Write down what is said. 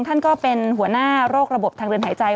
ท่านก็เป็นหัวหน้าโรคระบบทางเดินหายใจ